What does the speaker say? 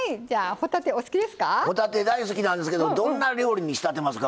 帆立て大好きなんですけどどんな料理に仕立てますか？